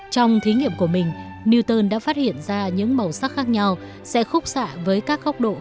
trong thí nghiệm của mình newton đã phát hiện ra những màu sắc khác nhau sẽ khúc xạ với các góc độ